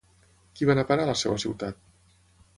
Qui va anar a parar a la seva ciutat?